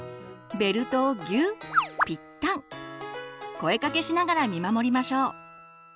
声かけしながら見守りましょう。